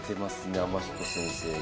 天彦先生が。